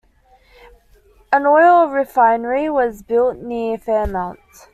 An oil refinery was built near Fairmont.